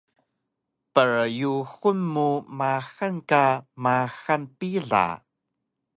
Pryuxun mu maxal ka maxal pila